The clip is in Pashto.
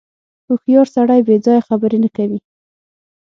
• هوښیار سړی بېځایه خبرې نه کوي.